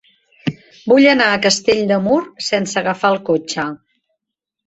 Vull anar a Castell de Mur sense agafar el cotxe.